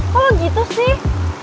kok gitu sih